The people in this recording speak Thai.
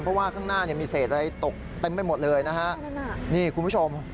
เพราะว่าข้างหน้าเนี่ยมีเศษอะไรตกเต็มไปหมดเลยนะฮะนี่คุณผู้ชม